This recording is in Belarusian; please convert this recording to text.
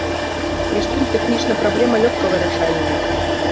Між тым тэхнічна праблема лёгка вырашальная.